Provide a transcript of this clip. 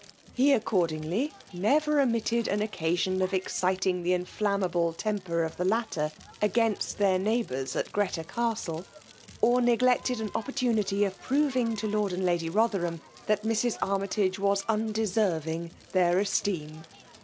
He, accordingly, never omitted' ah occ^on of exciting the inflammable temper of the latter against their neighbours at Greta Castle, or neglected an opportunity of proving lo Lorci and Lady Botherham, that Mrs. Armytage was undeserving their esteem.